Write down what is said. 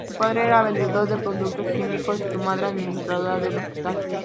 Su padre era vendedor de productos químicos y su madre administradora de un hospital.